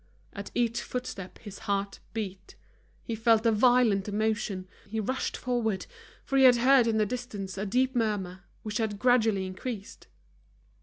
At each footstep his heart beat. He felt a violent emotion, he rushed forward, for he had heard in the distance a deep murmur, which had gradually increased.